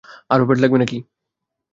আরও প্যাড লাগবে?